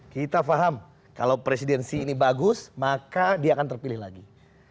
kita paham kalau presidensi ini bagus maka dia akan terpilih lagi